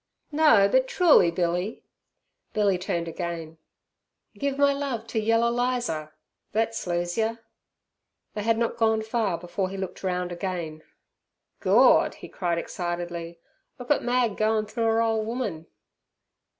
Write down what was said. "No, but truly, Billy." Billy turned again. "Give my love to yaller Lizer; thet slues yer!" They had not gone far before he looked round again. "Gord!" he cried excitedly. "Look at Mag goin' through 'er ole woman!"